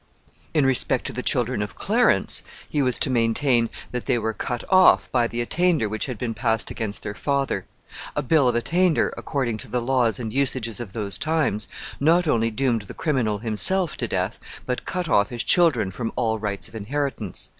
In respect to the children of Clarence, he was to maintain that they were cut off by the attainder which had been passed against their father. A bill of attainder, according to the laws and usages of those times, not only doomed the criminal himself to death, but cut off his children from all rights of inheritance.